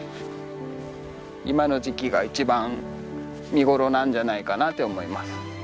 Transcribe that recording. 今の時期が一番見頃なんじゃないかなって思います。